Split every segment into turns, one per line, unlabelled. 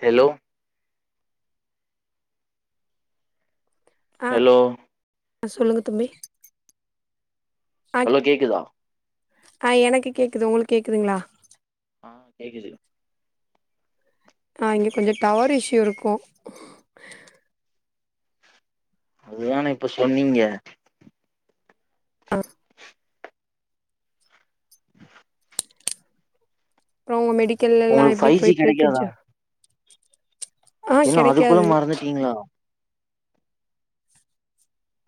Hello hello
அ சொல்லுங்க தம்பி ஆ
அலோ கேக்குதா
ஆ எனக்கு கேக்குது உங்களுக் கேக்குதுங்ளா
ஆ கேக்குது
ஆ இங்க கொஞ்ச டவர் இஷ்யூ இருக்கு
அதுதான இப்ப சொன்னீங்க
ஆ அப்றோ உங்க மெடிக்கல் எல்லா
உங்களுக்கு
எப்டி
ஃபைவ் ஜி
போய்ட்ருக்கு
கெடைக்காதா
ஜா ஆ
என்ன அதுக்குள்ள
கெடைக்காது
மறந்துட்டீங்ளா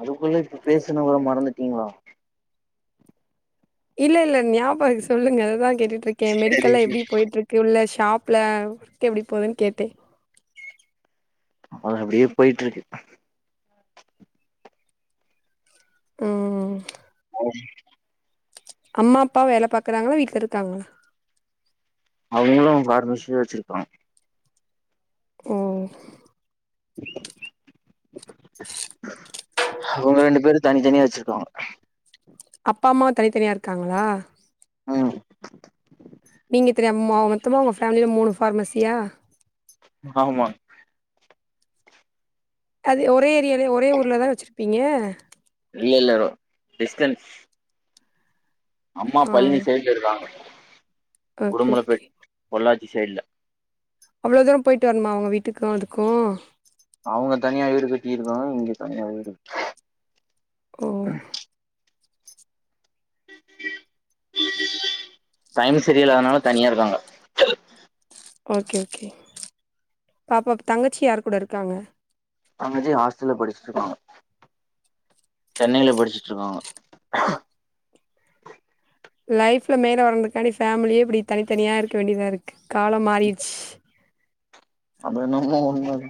அதுக்குள்ளயு இப்ப பேசுனத் கூட மறந்துட்டீங்ளா
இல்ல இல்ல ஞாபக இருக்கு சொல்லுங்க அததா கேட்டுருக்கே மெடிக்கல்ல எப்டி போயிட்ருக் க்கு உள்ள ஷாப்ல ஒர்க் எப்டி போதுன்னு கேட்டே
அது அப்டியே போயிட்ருக்கு
ம் ம் ம்
அம்
அம்மா அப்பா வேல பாக்குறாங்களா வீட்ல இருக்காங்களா
அவுங்களு பார்மசிதா வச்சுருக்காங்க
ஓ
அவுங்க ரெண்டு பேரு தனித்தனியா வச்சுருக்காங்க
அப்பா அம்மா தனித்தனியா இருக்காங்களா
ஐ அம்
நீங்க தெரியமா மொ மொத்தமா உங்க ஃபேமிலில மூணு ஃபார்மசியா
ஆமாங்
அது ஒரே ஏரியாலயே ஒரே ஊர்ல தா வச்சுருப்பீங்க
இல்ல இல்ல நா டிஸ்கன்ஸ் அம்மா
ஆ
பழனி சைட் இருக்காங்க
ஓகே
குடுமலப்
ஓகே
பேட் பொள்ளாச்சி சைட்ல
அவ்ளோ தூரோ பொயிட்டு வரணுமா உங்க வீட்டுக்கு அதுக்கு
அவுங்க தனியா வீடு கட்டியிருக்காங்க இங்க தனியா வீடு
ஓ
டைம் சரியில்லாதனால தனியா இருக்காங்க
ஓகே ஓகே பாப்பாக் தங்கச்சி யார் கூட இருக்காங்க
தங்கச்சி ஹாஸ்டல்ல படிச்சிட்ருக்காங்க சென்னையில படிச்சுட்ருக்காங்க
லைஃப்ல மேல வர்றந்துக்கான்டி ஃபேமிலியே இப்டி தனித்தனியா இருக்க வேண்டியதா இருக்கு காலம் மாறிருச்சு
அது என்னமோ உண்மதா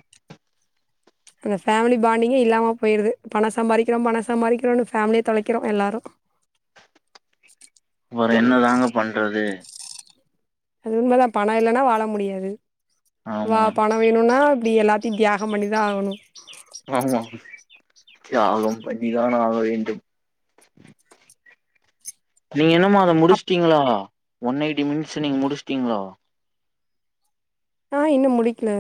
அந்த ஃபேமிலி பாண்டிங்கே இல்லாம போயிருது பணோ சம்பாரிக்கிறோ பணோ சம்பாரிக்கிறோனு ஃபேமிலியே தொலைக்கிறோ எல்லாரு
இவர என்னதாங்க பண்றது
அது உண்மைதா பணோ இல்லன்னா வாழ முடியாது வா
ஆமா
பணோ வேணுன்னா இப்டி எல்லாத்தையு தியாகம் பண்ணிதா ஆகணு
ஆமா தியாகம் பண்ணி தான் ஆக வேண்டும் நீங்க என்னமா அத
அப்
முடுச்ட்டீங்ளா ஒன் எயிட்டி மினிட்ஸ்ஸ நீங்க முடுச்டீங்ளா
ஆ இன்னு முடிக்கல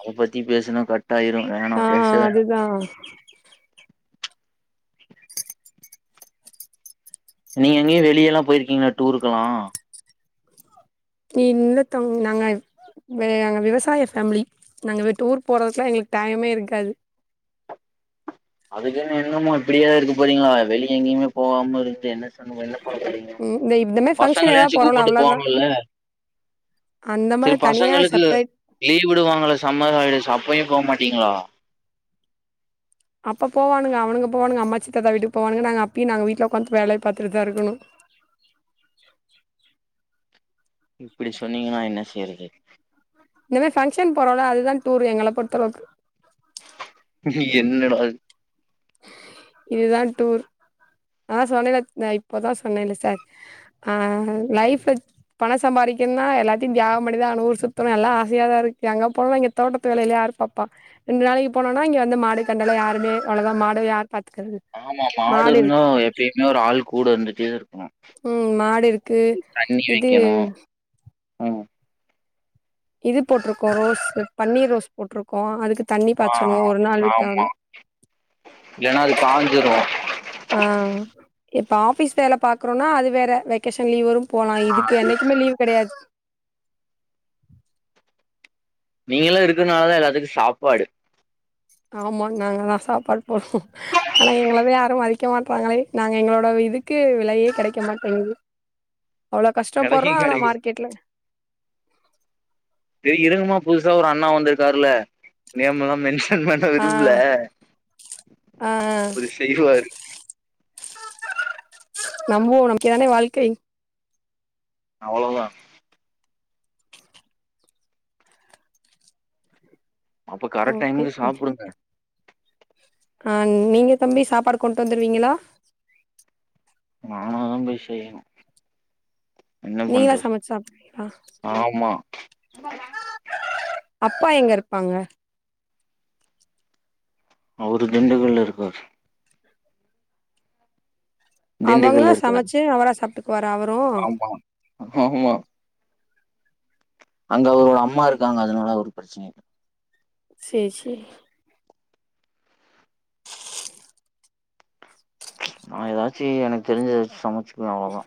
அத பத்தி பேசுனா கட்டாயிரு வேணா
ஆ
பேச வேணா
அதுதா
நீங்க எங்கேயு வெளிய எல்லா போயிருக்கீங்களா டூருக்கல்லா
இல்ல தங்கோ நாங்க வே நாங்க விவசாய ஃபேமிலி நாங்க வே டூர் போறதுக்கெல்லா எங்களுக்கு டைமே இருக்காது
அதுக்குன்னு என்னமோ இப்புடியா இருக்கு போறீங்களா வெளிய எங்கயுமே போகாம இருந்து என்ன சமூகோ என்ன பழக்குறீங்க
ம் இந்த இந்த மாரி ஃபங்க்ஷன் எதாவது
பசங்கலயாச்சு
போறோல
கூப்புட்டு
அவ்ளோதா
போவாங்கல
அந்த
செரி
மாரி தனியா
பசங்களுக்கு
செப்ரேட்
லீவு விடுவாங்கல்ல சம்மர் ஹாலிடேஸு அப்பையு போ மாட்டீங்களா
அப்ப போவானுங்க அவனுங்க போவானுங்க அம்மாச்சி தாத்தா விட்டுக்கு போவானுங்க நாங்க அப்பையு நாங்க வீட்ல உக்காந்து வேலைய பாத்துட்டுதா இருக்கணு
இப்டி சொன்னீங்கன்னா என்ன செய்றது
இனமே ஃபங்க்ஷன் போறோல்ல அது தா டூரு எங்கள பொறுத்தளவுக்கு
என்னடா இது
இதுதான் டூர் நா தா சொன்னேல ந இப்போதா சொன்னேன்ல சார் ஆன் லைப்பு பணோ சம்பாரிக்கனா எல்லாத்தயு தியாகம் பண்ணித்தா அகணு ஊர் சுத்தணு எல்லா ஆசையாதா இருக்கு அங்க போனா தோட்டத்து வேலைய்லா யார் பப்பா ரெண்டு நாளைக்கு போனோனா இங்கே வந்து மாடு கன்னுலா யாருமே அவ்ளதா மாடு யார் பாத்துக்குறது
ஆமா மாடு இருந்தா எப்பியுமே ஒரு ஆள் கூட இருந்துட்டே இருக்குணு
ம் மாடு இருக்கு இது
ம்
இது போட்டிருக்கோ ரோஸ் பன்னீர் ரோஸ் போட்டிருக்கோ அதுக்கு தண்ணி
ஆ
பாய்ச்சணு ஒரு நாள் விட்டு ஒர்
ஏனா அது கஞ்சிடு
ஆன் இப்ப ஆபீஸ் வேல பாக்றோனா அது வேற வெக்கேஷன் லீவ் வருன் போலான் இதுக்கு
அது
என்னைக்குமே லீவ் கெடையாது
நீங்களா இருக்கனாலதா எல்லாத்துக்குன் சாப்பாடு
ஆமா நாங்கதா சாப்பாடு போட்றோ ஆனா எங்கள யாருன் மதிக்க மாட்றாங்களே நாங்க எங்களோட இதுக்கு விலையே கிடைக்க மாட்டேங்குது அவ்ளோ
கெடைக்கு
கஷ்டப்பட்றோ ஆனா
கெடைக்கு
மார்கெட்ல
எ இருங்கமா புதுசா ஒரு அண்ணா வந்திருக்காருல நேம் தா மென் சன் பண்ண
ஆ
விரும்பல
ஆ
அவரு செய்வாரு
நம்புவோ நம்பிக்கைதான வாழ்க்கை
அவ்ளோதா அப்ப கரெட்
ஓகே
டைமுக்கு சாப்புடுங்க
ஆ நீங்க தம்பி சாப்பாடு கொண்டு வந்துருவீங்களா
நானா தா போய் செய்யுணு என்ன
நீங்களா
பண்றது
சமைச்சு சாப்டுவீங்களா
ஆமா
அப்பா எங்க இருப்பாங்க
அவரு திண்டுக்கள்ள இருக்காரு
அவங்க
திண்டுக்கல்ல இருக்காரு
சமைச்சு அவரா சாப்ட்டுகுவாரா அவருன்
ஆமா ஆமா அங்க அவரோட அம்மா இருக்காங்க அதனால ஒரு ப்ரச்சனையு இல்ல
சேரி சேரி
நா ஏதாச்சு எனக்கு தெரிஞ்சத சமச்சுக்குவே அவளதா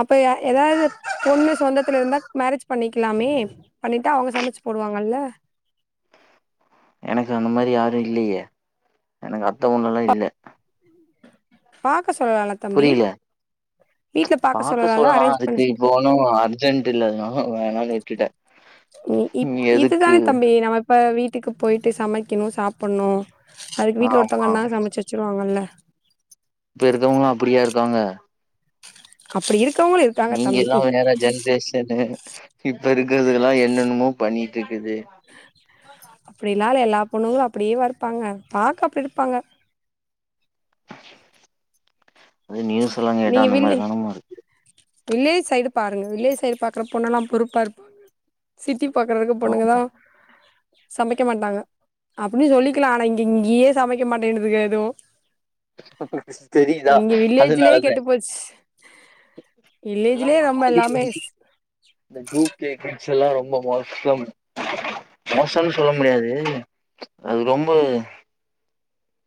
அப்ப ஏதாது பொண்ணு சொந்தத்துல இருந்தா மேரேஜ் பண்ணிக்லாமே பண்ணிட்டா அவங்க சமைச்சு போடுவாங்கல்ல
எனக்கு அந்த மாரி யாரு இல்லையே எனக்கு அத்த பொண்ணுல்லா இல்ல
பாக்க சொல்லலான் தம்பி
புரியல.
வீட்ல பாக்க சொல்லலா அரேஞ்ச் பண்ணி
ஒண்ணு அர்ஜென்ட் இல்லன்னு வேணாம்னு விட்டுட்ட
இ இப் இதுதான தம்பி நம்ம இப்ப வீட்டுக்கு போயிட்டு சமைக்கணு சாப்பிட்ணு அதுக்கு வீட்ல ஒருத்தவங்க
ஆமா.
இருந்தாங்கன்னா சமைச்சு வச்சிருவாங்கல்ல
இப்ப இருக்கவங்களா அப்டியா இருக்காங்க
அப்டி இருக்கிறவங்ளு இருக்
நீங்க எல்லா வேற ஜென்ரேஷன்னு இப்ப இருக்கறதுங்க எல்லா என்னென்னமோ பண்ணிட்டு இருக்குது
அப்டிலா இல்ல எல்லா பொண்ணுங்களு அப்டியேவா இருப்பாங்க பாக்க அப்டி இருப்பாங்க
அது நியூஸ் எல்லா கேட்டா
நீங்க
அந்த மாரி
வில்லு
தான இருக்கு
வில்லேஜ் சைடு பாருங்க வில்லேஜ் சைடு பாக்ற பொண்ணுகல்லா பொறுப்பா இருப்பா சிட்டி பாக்குறதுக்கு பொண்ணுங்கதா
ஆமா.
சமைக்க மாட்டாங்க அப்டின் சொல்லிக்கிலா ஆனா இங் இங்கியே சமைக்க மாட்டேங்குதுங்க எதுவு
தெரிதா அதனாலதே
போச்
எல்லாம்
வில்லேஜ்லே ரொம்ப
மாறி
எல்லாமே எஸ்
இந்த டூ கே கிட்ஸ் எல்லா ரொம்ப மோசம் மோசோனு சொல்ல முடியாது அது ரொம்ப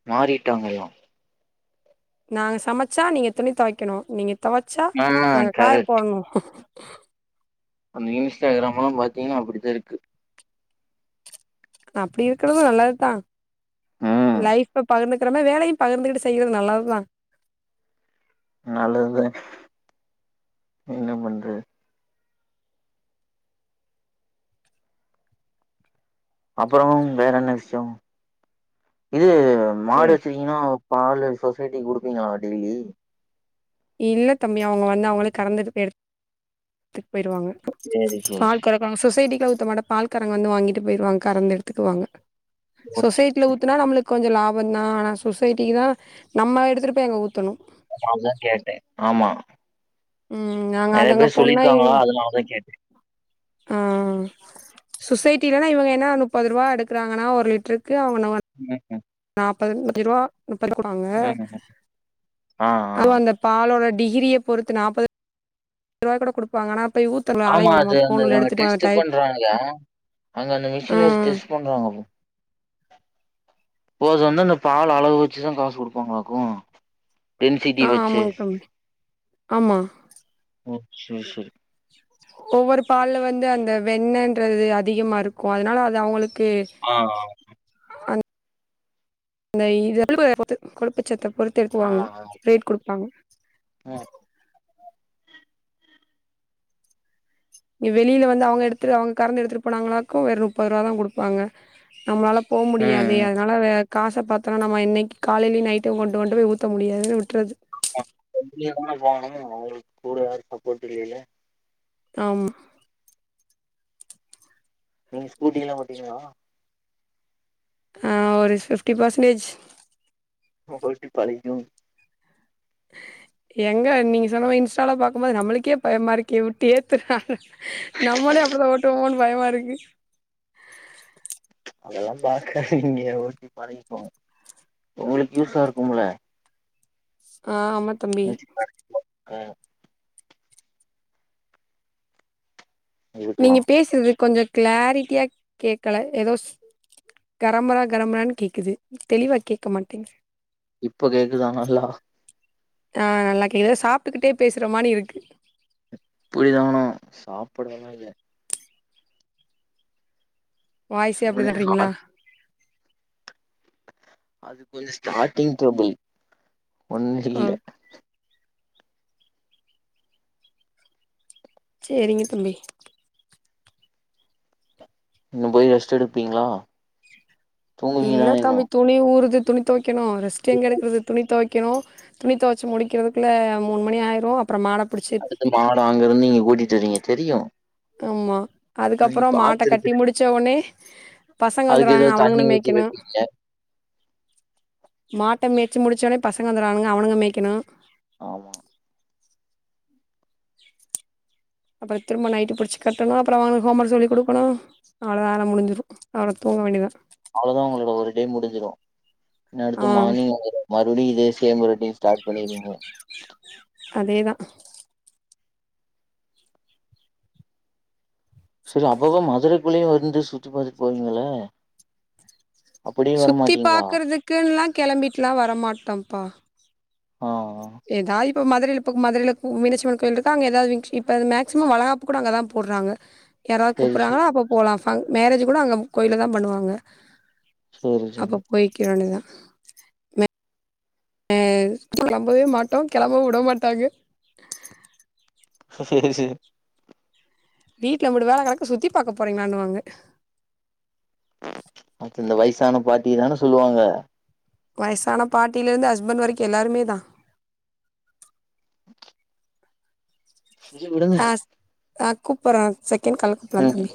மாரிட்டாங்க எல்லா
நாங்க சமச்சா நீங்க துணி தொவைக்குணு நீங்க தொவச்சா
ஆ
நாங்க காய
கரெக்ட்
போடணு
அந்த இன்ஸ்டாகிராமெல்லா பாத்தீங்கன்னா அப்டிதா இருக்கு
அப்டி இருக்கிறது நல்லதுதா
ம்
லைஃப் பகிர்ந்துக்கிற வேலையு பகிர்ந்துகிட்டு செய்யிறது நல்லதுதா
ஆ நல்லதுதா என்ன பண்றது அப்றோ வேற என்ன விஷியோ இது மாடு வச்சீ த்னோ பாலு சொசைட்டிக்கு குடுப்பீங்ளா டெய்லி
இல்ல தம்பி அவுங்க வந்து அவுங்கள கறந்து எடுத்துத்து போயிடுவாங்க
சேரி சேரி
நா சொசைட்டிக்குலா ஊத்தமாட்ட பால் காரங்க வந்து வாங்கிட்டு போயிடுவாங்க கறந்த எடுத்துக்கு வாங்க சொசைட்டில ஊத்துனா நம்ளுக்கு கொஞ்சோ லாபோ தா ஆனா சொசைட்டிக்கு தா நம்ம எடுத்துட்டு போய் அங்க ஊத்தணு
அதா கேட்டே ஆமா
ம் நாங்க
நெறைய
அது அங்க
பேர்
போனா எ
சொல்லிருக்காங்ளா அதனாலதா கேட்டே
ஆ சொசைட்டிலன்னா இவுங்க என்ன முப்பது ரூவா எடுக்ககிறாங்கன்னா ஒரு லிட்டருக்கு அவுங்க
[unintelligible]
நாப்பத்தஞ்சு ரூவா முப்பத்து
ம் ஆ ஆ
[unintelligible] தோ அந்த பாலோட டிகிரிய பொறுத்து நாப்பது நாப்பது ரூபாய் கூட குடுப்பாங்கா ஆனா போய் ஊத்
ஆமா அது அந்த டெஸ்ட் பண்றாங்க அங்க அந்த
ஆ
மிஷின் வச்சு டெஸ்ட் பண்றாங்க போது வந்து பால் அளவு வச்சுதா காசு குடுப்பாங்களாக்கு டென்சிட்டி
ஆ
வச்சு
ஆமாங்க தம்பி ஆமா
செரி செரி
ஒவ்வொரு பால்ல வந்து அந்த வெண்ணன்றது அதிகமா இருக்கு அதுனால அது அவுங்களுக்கு
ஆ
அ இ [unintelligible] குழப்பச்சத்த பொறு
ஆ ஆ சரி சரி ம்
நீ வெளியில வந்து அவுங்க எடுத்துட் அவுங்க கறந்து எடுத்துட்டு போனாங்களாக்கு வெறு முப்பது ரூபா தா குடுப்பாங்க நம்மளால போ முடியாதே அதனால வே காச பாத்தோன்னா நம்ம என்னைக்கு காலைலியு நைட்டு கொண்டு கொண்டு போய் ஊத்த முடியாதுன்னு விட்றது
[unintelligible] போகணு உங்களுக்கு கூடவே யாரு சப்போர்ட் இல்லிலெல்ல
ஆம்மா
நீங்க ஸ்கூட்டில்லா ஓட்டுவீங்ளா
ஆ ஒரு ஃபிப்டி பர்சன் டேஜ்
[unintelligible] பழகிடு
எங்க நீங்க சொன்னமேரி இன்ஸ்டால பாக்கும்போது நம்மளுக்கே பயமா இருக்கே விட்டு ஏத்துாரா நம்மளே அப்டிதா ஓட்டுமோனு பயமா இருக்கு
அதெல்லா பாக்காதீங்க ஓட்டி பழகிகோங்க உங்களுக்கு யூஸா இருக்கும்ல
ஆ அமத்
[unintelligible] ம் இதுக்கெல்லா
நீங்க பேசுறது கொஞ்சோ கிளாரிட்டியா கேக்கல எதோ கரம்பரா கரமுரானு கேக்குது தெளிவா கேக்க மாட்டேங்கு
இப்ப கேக்குதா நல்லா
ஆ நல்லா கேக்குது சாப்ட்டுக்கிட்டே பேசுற மாரி இருக்கு
எப்டிதானோ சாப்பிடலல்லா இல்ல
வாய்ஸே அப்டி
சிவனே
தான்றீங்ளா
அ- அது கொஞ்சோ ஸ்டார்டிங் ட்ரபுள் ஒண்ணு
ஆ
இல்ல
சேரிங்க தம்பி
இன்னு போய் ரெஸ்ட் எடுப்பீங்ளா
இல்ல தம்பி துணி ஊறுது துணி துவைக்கணு ரெஸ்ட் எங்க எடுக்றது துணி துவைக் வடிக்கணு துணி துவச்சி முடிக்கிறதுக்குள்ள மூணு மணி ஆய்டு அப்புறோ மாட புடிச்சி
மாட அங்கறந்து இங்க கூட்டிட்டு வறீங்க தெரியு
ஆமா
நீங்க
அதுக்கப்புறோ மாட்ட கட்டி
பாத்துருக்க
முடிச்சோனே பசங்க
அதுக்கு ஏதோ
வந்துருவாங்க அவனுங்கள
தண்ணி ஊத்தி
மேய்க்கணு
வைப்பீங்க
மாட்ட மேச்சி முடிச்சோனே பசங்க வந்துறுவானுங்க அவனுங்ள மேய்கணு
ஆமா
அப்புறோ திரும்ப நைட்டு பிடிச்சு கட்டணு அப்புறோ அவங்களுக்கு ஹோம் ஒர்க் சொல்லி கொடுக்ணு அவ்ளோ தா அதா முடிஞ்சுரு அப்றோ தூங்க வேண்டிதா
அவ்ளதா உங்களோட ஒரு டே முடிஞ்சிரு இன்னு அடுத்த
ஆ
மார்னிங் மறுபடியு இதே சேம் ரொட்டீன் ஸ்டார்ட் பண்ணிருவீங்க
அதேதா
சரி அப்பப்ப மதுரைக்குள்ளயே வந்து சுத்தி பாத்துட்டு போவீங்கள
சுத்தி பாக்குறதுக்குன்ல்லா கிளம்பிட்டுல்லா வரமாட்டோம்ப்பா
ஆ ஆ
எதாய் இப்ப மதுரையில போய் மதுரையில மீனட்சியம்மன் கோயில் இருக்கா அங்க எதாவ்து விசே இப்ப மேக்சிமம் வலகாப்பு கூட அங்கதா போட்றாங்க யாராவ்து
சரி சரி
கூப்புட்றாங்களா அப்ப போலா ஃபங் மேரேஜ் கூட அங்க கோயில தா பண்ணுவாங்க
சேரி சேரி
அப்ப போய்க்க வேண்டியதா அஹ் கிளம்பவே மாட்டோ கிளம்பவு விட மாட்டாங்க
சேரி சேரி
வீட்டுல இம்புட்டு வேல கெடக்கு சுத்தி பாக்க போகிறீங்களான்னுவாங்க
இந்த வயசான பாட்டியதானே சொல்லுவாங்க
வயசான பாட்டியிலருந்து ஹஸ்பண்ட் வரைக்கு எல்லாருமே தா
சரி விடுங்க
நா கூப்புறே செகண்ட் கால்ல கூப்புறே
ம்
தம்பி